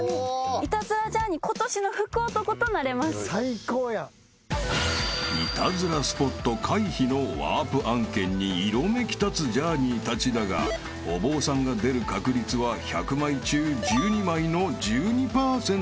［イタズラスポット回避のワープ案件に色めき立つジャーニーたちだがお坊さんが出る確率は１００枚中１２枚の１２％］